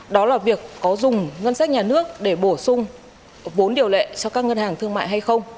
đó là việc có dùng ngân sách nhà nước để bổ sung vốn điều lệ cho các ngân hàng thương mại hay không